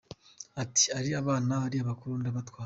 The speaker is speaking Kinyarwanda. Ati “Ari abana ari abakuru ndabatwara.